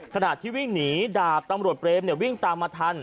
ขณะที่วิ่งหนีดาบตำรวจเปรมวิ่งตามมาทัน